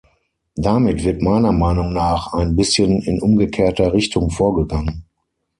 Damit wird meiner Meinung nach ein bisschen in umgekehrter Richtung vorgegangen.